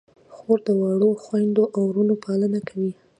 خور د وړو خویندو او وروڼو پالنه کوي.